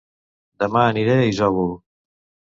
Dema aniré a Isòvol